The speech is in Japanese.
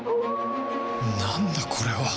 なんだこれは